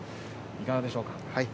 いかがでしょうか。